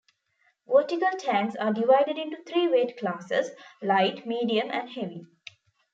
Vertical tanks are divided into three weight classes: light, medium and heavy.